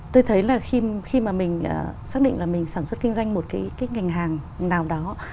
tôi thấy là khi mà mình xác định là mình sản xuất kinh doanh một cái ngành hàng nào đó